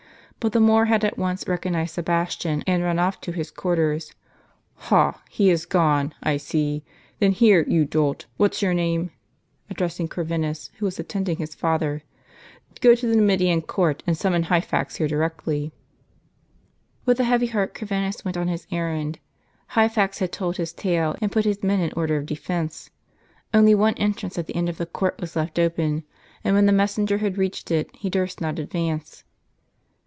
But the Moor had at once recognized Sebastian, and run off to his quarters. "Ha! he is gone, I see; then here, you dolt, what's your name ?" (addressing Corvinus, who was attending his father,) "go to the Nuuiidian court, and sum mon Hyphax here directly." With a heavy heart Corvinus went on his errand. Hyphax had told his tale, and put his men in order of defence. Only one entrance at the end of the court was left open; and when the messenger had reached it, he durst not advance.